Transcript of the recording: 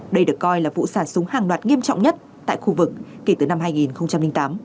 đây được coi là vụ xả súng hàng loạt nghiêm trọng nhất tại khu vực kể từ năm hai nghìn tám